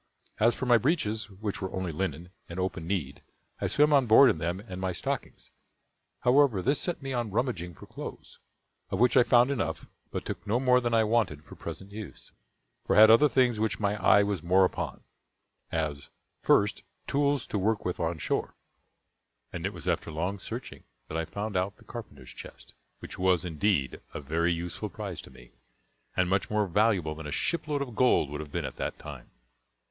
As for my breeches, which were only linen, and open kneed, I swam on board in them and my stockings. However, this set me on rummaging for clothes, of which I found enough, but took no more than I wanted for present use, for I had other things which my eye was more upon as, first, tools to work with on shore. And it was after long searching that I found out the carpenter's chest, which was, indeed, a very useful prize to me, and much more valuable than a ship load of gold would have been at that time.